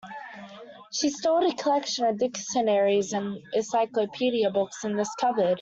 She stored a collection of dictionaries and encyclopedia books in this cupboard.